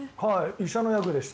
医者の役でした。